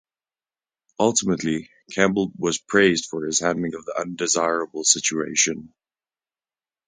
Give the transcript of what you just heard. Ultimately, Campbell was praised for his handling of the undesirable situation.